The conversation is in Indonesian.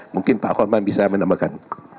mungkin pak horman bisa menambahkan